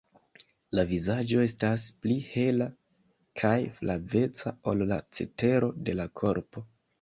La vizaĝo estas pli hela kaj flaveca ol la cetero de la korpo.